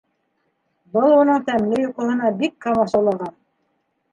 Был уның тәмле йоҡоһона бик ҡамасаулаған.